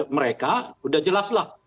mereka sudah jelaslah